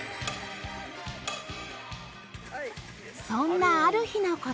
そんなある日の事